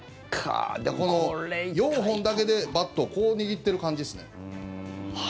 この４本だけでバットをこう握っている感じですね。